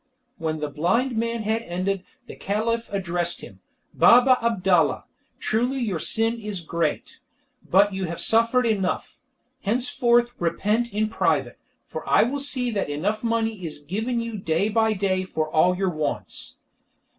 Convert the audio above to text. When the blind man had ended the Caliph addressed him: "Baba Abdalla, truly your sin is great, but you have suffered enough. Henceforth repent in private, for I will see that enough money is given you day by day for all your wants."